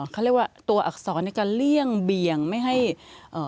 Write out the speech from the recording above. เขาเรียกว่าตัวอักษรในการเลี่ยงเบี่ยงไม่ให้เอ่อ